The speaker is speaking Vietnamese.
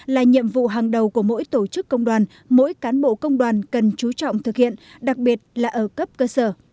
là nhiệm vụ hàng đầu của mỗi tổ chức công đoàn mỗi cán bộ công đoàn cần chú trọng thực hiện đặc biệt là ở cấp cơ sở